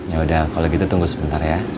yaudah kalau gitu tunggu sebentar ya